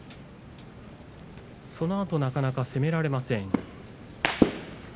そのあとなかなか攻められません。